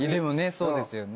そうですよね。